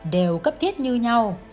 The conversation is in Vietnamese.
đều cấp thiết như nhahu